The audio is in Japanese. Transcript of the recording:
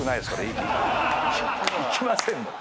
行きませんもん。